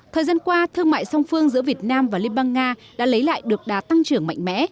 thời gian qua thương mại song phương giữa việt nam và liên bang nga đã lấy lại được đà tăng trưởng mạnh mẽ